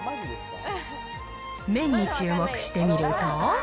麺に注目して見ると。